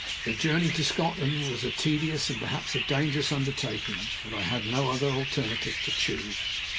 The journey to Scotland was a tedious, and perhaps a dangerous, undertaking. But I had no other alternative to choose.